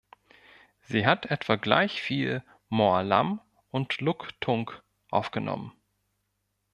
Sie hat etwa gleich viel Mor Lam und Luk Thung aufgenommen.